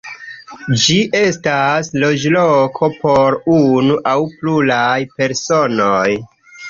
Ĝi estas loĝloko por unu aŭ pluraj personoj.